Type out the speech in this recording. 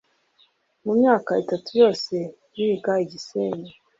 Mu myaka itatu yose biga i Gisenyi